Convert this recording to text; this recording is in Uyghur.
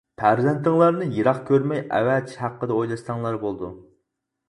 پەرزەنتىڭلارنى يىراق كۆرمەي ئەۋەتىش ھەققىدە ئويلاشساڭلار بولىدۇ.